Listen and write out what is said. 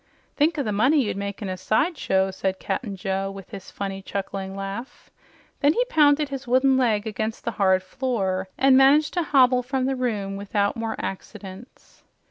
"Think o' the money you'd make in a side show," said Cap'n Joe with his funny chuckling laugh. Then he pounded his wooden leg against the hard floor and managed to hobble from the room without more accidents.